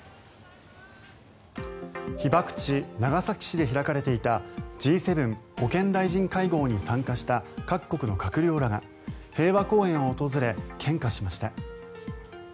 被爆地・長崎市で開かれていたＧ７保健大臣会合に参加した各国の閣僚らが平和公園を訪れ献花しました。